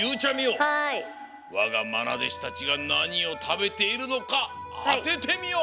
わがまなでしたちがなにをたべているのかあててみよ！